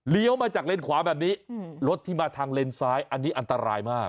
เลี้ยวมาจากเลนส์ขวามีรถที่มาทางเลนซ้ายความอันตรายมาก